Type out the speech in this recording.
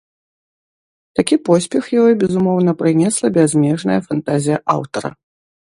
Такі поспех ёй, безумоўна, прынесла бязмежная фантазія аўтара.